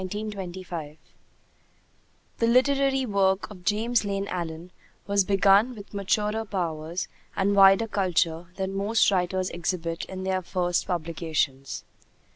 JAMES LANE ALLEN (1850 ) The literary work of James Lane Allen was begun with maturer powers and wider culture than most writers exhibit in their first publications.